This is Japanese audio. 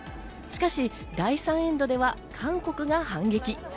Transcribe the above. しかし第３エンドでは韓国が反撃。